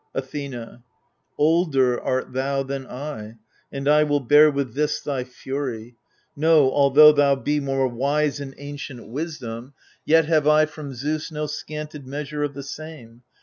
Athena Older art thou than I, and I will bear With this thy fury. Know, although thou be More wise in ancient wisdom, yet have I From Zeus no scanted measure of the same.